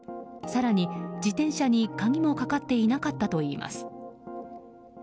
更に、自転車に鍵もかかっていなかったといいます。